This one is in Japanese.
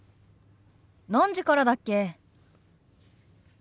何時からだっけ？